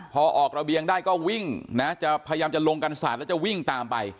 พอออกระเบียงได้ก็วิ่งนะจะพยายามจะลงกันศาสตร์แล้วจะวิ่งตามไป